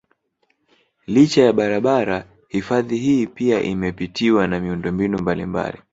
Licha ya barabara hifadhi hii pia imepitiwa na miundombinu mbalimbali